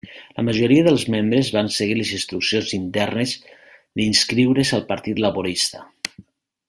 La majoria dels membres van seguir les instruccions internes d'inscriure's al partit laborista.